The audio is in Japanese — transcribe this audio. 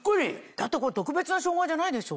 だってこれ特別なショウガじゃないでしょ？